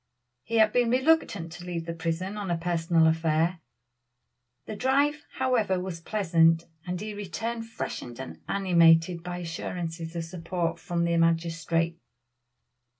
He had been reluctant to leave the prison on a personal affair. The drive, however, was pleasant, and he returned freshened and animated by assurances of support from the magistrate.